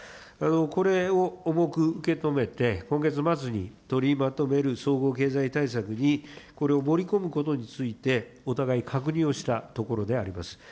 これを重く受け止めて、今月末に取りまとめる総合経済対策にこれを盛り込むことについてお互い確認をしたところであります。